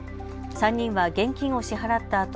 ３人は現金を支払った